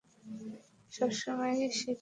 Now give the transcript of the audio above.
সবসময় সে কিউট।